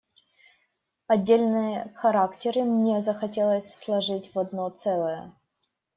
Отдельные характеры мне захотелось сложить в одно целое.